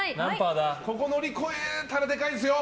ここを乗り越えたらでかいですよ。